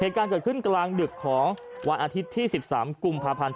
๒แสนกว่าบาทเหตุการเกิดขึ้นกลางดึกของวันอาทิตย์ที่๑๓กลุ่มพาพันธ์